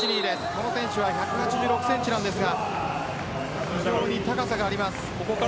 この選手は１８６センチですが非常に高さがあります。